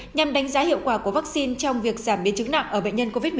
nhằm đánh giá hiệu quả của vaccine trong việc giảm biến chứng nặng ở bệnh nhân covid một mươi chín